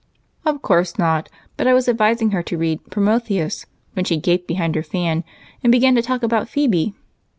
"Of course not, but I was advising her to read Prometheus when she gaped behind her fan and began to talk about Phebe.